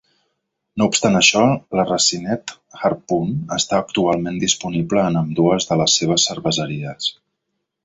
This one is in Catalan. No obstant això, la racinette Harpoon està actualment disponible en ambdues de les seves cerveseries.